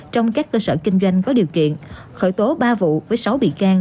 trong các cơ sở kinh doanh có điều kiện khởi tố ba vụ với sáu bị can